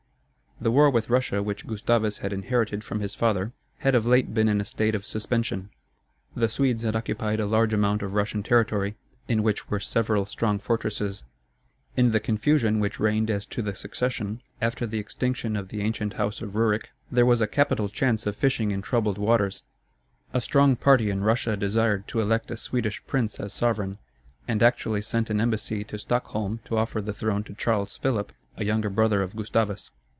The war with Russia, which Gustavus had inherited from his father, had of late been in a state of suspension. The Swedes had occupied a large amount of Russian territory, in which were several strong fortresses. In the confusion which reigned as to the succession, after the extinction of the ancient house of Rurik, there was a capital chance of fishing in troubled waters. A strong party in Russia desired to elect a Swedish prince as sovereign, and actually sent an embassy to Stockholm to offer the throne to Charles Philip, a younger brother of Gustavus.